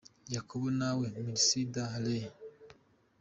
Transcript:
Yuko Nawe – Mercy D Lai.